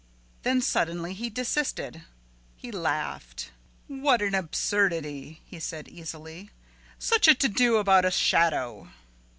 Then suddenly he desisted. He laughed. "What an absurdity," he said easily. "Such a to do about a shadow."